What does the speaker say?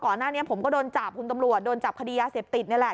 ก่อนหน้านี้ผมก็โดนจับคุณตำรวจโดนจับคดียาเสพติดนี่แหละ